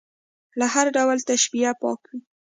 له هر ډول تشبیه پاک وي.